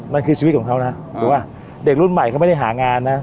มันคือชีวิตของเขานะถูกป่ะเด็กรุ่นใหม่เขาไม่ได้หางานนะ